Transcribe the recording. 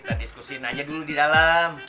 kita diskusiin aja dulu di dalam